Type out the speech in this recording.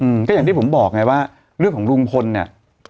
อืมก็อย่างที่ผมบอกไงว่าเรื่องของลุงพลเนี่ย